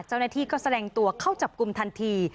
เจ้าหน้าที่ก็แสดงตัวเข้าจับกลุ่มทันที